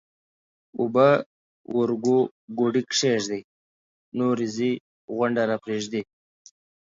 اوبه ورګو ګوډي کښېږدئ ـ نورې ځئ غونډه راپرېږدئ